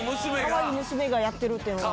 かわいい娘がやってるっていうのが。